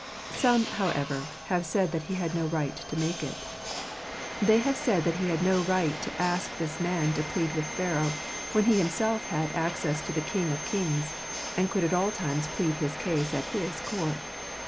Some, how ever, have said he had no right to make it. They have said that he had no right to ask this man to plead with Pharaoh, when he himself had access to the King of kings, and could at all times plead his case at His court.